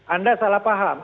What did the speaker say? anda salah paham